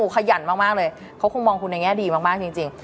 ขยันมากเลยเขาคงมองคุณในแง่ดีมากจริง